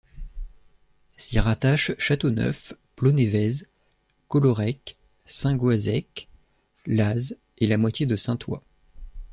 S’y rattachent Châteauneuf, Plonévez, Collorec, Saint-Goazec, Laz et la moitié de Saint-Thois.